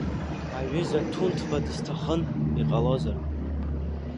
Аҩыза Ҭунҭба дысҭахын, иҟалозар?